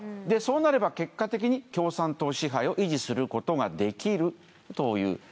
でそうなれば結果的に共産党支配を維持することができるという。